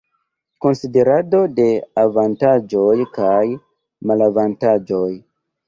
Konsiderado de avantaĝoj kaj malavantaĝoj.